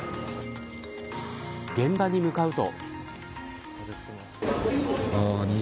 現場に向かうと。